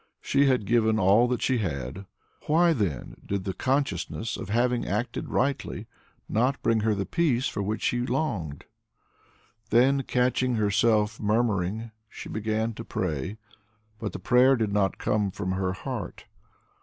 She had given all that she had. Why then did the consciousness of having acted rightly not bring her the peace for which she longed? Then, catching herself murmuring, she began to pray, but the prayer did not come from her heart.